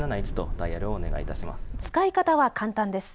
使い方は簡単です。